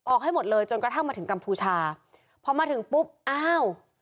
ให้หมดเลยจนกระทั่งมาถึงกัมพูชาพอมาถึงปุ๊บอ้าว